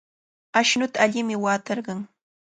Ashnuta allimi watarqan.